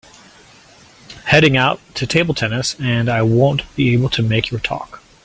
Heading out to table tennis and I won’t be able to make your talk.